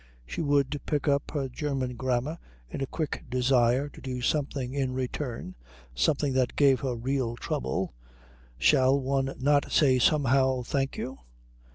She would pick up her German grammar in a quick desire to do something in return, something that gave her real trouble shall one not say somehow Thank you?